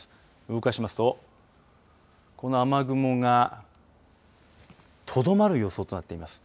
動かしますと、この雨雲がとどまる予想となっています。